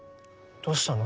どうしたの？